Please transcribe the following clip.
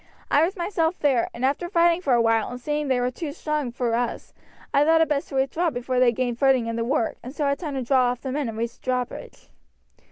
I was myself there, and after fighting for a while and seeing they were too strong for us, I thought it best to withdraw before they gained footing in the work, and so had time to draw off the men and raise the drawbridge."